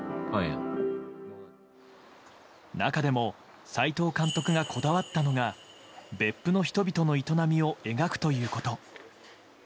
中でも斎藤監督がこだわったのが別府の人々の営みを描くということ。